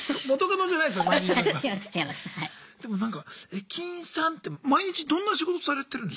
駅員さんって毎日どんな仕事されてるんですか